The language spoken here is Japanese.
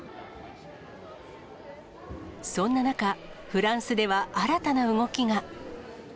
そんな中、フランスでは新たな動きが。